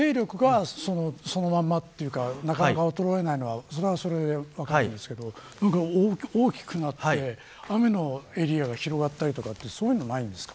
勢力がそのままというかなかなか衰えないのは分かるんですけど大きくなって雨のエリアが広がることはないんですか。